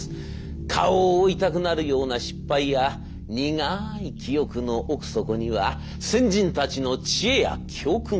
顔を覆いたくなるような失敗や苦い記憶の奥底には先人たちの知恵や教訓が眠っているはず。